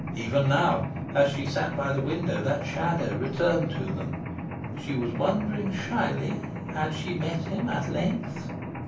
Even now, as she sat by the window, that shadow returned to them. She was wondering, shyly, had she met him at length?